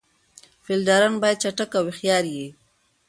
فیلډران باید چټک او هوښیار يي.